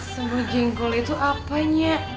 semur jengkol itu apanya